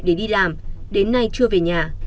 để đi làm đến nay chưa về nhà